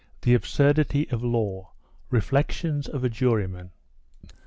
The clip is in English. THE ABSURDITY OF LAW REFLECTIONS OF A JURYMAN.